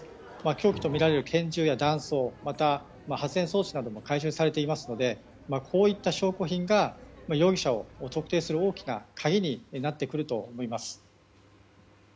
凶器とみられる拳銃や弾倉また、発煙装置なども回収されていますのでこういった証拠品が容疑者を特定する大きな鍵になってくると思います。